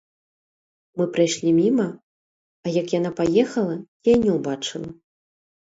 Мы прайшлі міма, а як яна паехала, я і не ўбачыла.